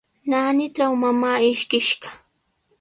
Naanitraw mamaa ishkishqa.